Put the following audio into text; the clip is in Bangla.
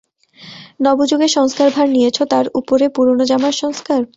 নব যুগের সংস্কারভার নিয়েছ, তার উপরে পুরোনো জামার সংস্কার?